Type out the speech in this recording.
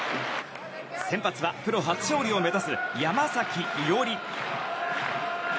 先発はプロ初勝利を目指す山崎伊織。